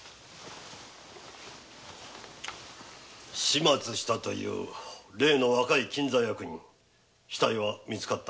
始末したという例の若い金座役人死体はみつかったのか？